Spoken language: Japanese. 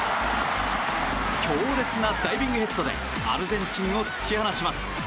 強烈なダイビングヘッドでアルゼンチンを突き放します。